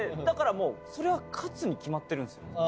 だからもうそれは勝つに決まってるんすよ。